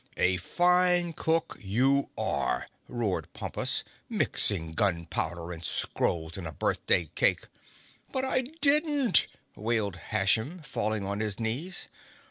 "A fine cook you are!" roared Pompus, "mixing gun powder and scrolls in a birthday cake." "But I didn't," wailed Hashem, falling on his knees.